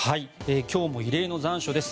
今日も異例の残暑です。